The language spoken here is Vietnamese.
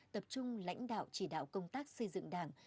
tập trung lãnh đạo chỉ đạo công tác xây dựng đảng